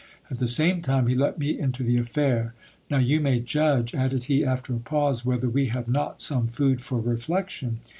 At the same time he let me into the affair. Now you may judge, added he after a pause, whether we lave not some food for reflection.